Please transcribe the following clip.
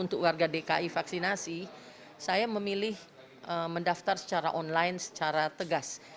untuk warga dki vaksinasi saya memilih mendaftar secara online secara tegas